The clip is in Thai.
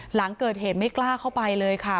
หลังเกิดเหตุไม่กล้าเข้าไปเลยค่ะ